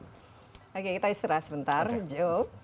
oke kita istirahat sebentar joe